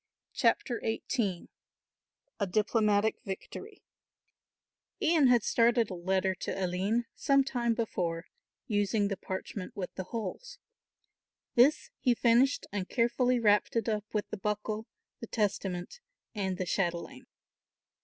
CHAPTER XVIII A DIPLOMATIC VICTORY Ian had started a letter to Aline some time before, using the parchment with the holes. This he finished and carefully wrapped it up with the buckle, the testament and the chatelaine.